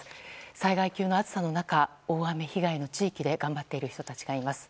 災害級の暑さの中大雨被害の地域で頑張っている人たちがいます。